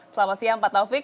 selamat siang pak taufik